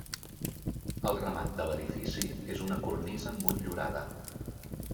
El remat de l'edifici és una cornisa motllurada.